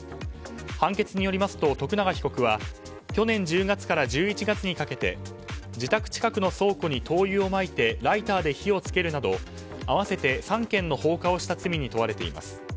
判決によりますと、徳永被告は去年１０月から１１月にかけて自宅近くに倉庫に灯油をまいてライターで火をつけるなど合わせて３件の放火をした罪に問われています。